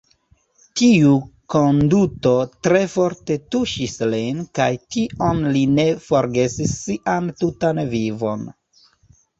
Tiu konduto tre forte tuŝis lin kaj tion li ne forgesis sian tutan vivon.